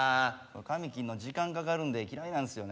髪切んの時間かかるんで嫌いなんすよね。